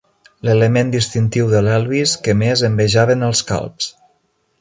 L'element distintiu de l'Elvis que més envejaven els calbs.